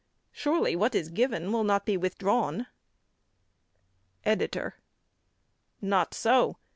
Surely, what is given will not be withdrawn? EDITOR: Not so.